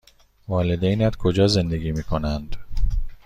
والدینت کجا زندگی می کنند؟